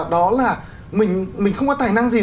đó là mình không có tài năng gì